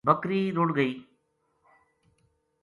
بکری رُڑ گئی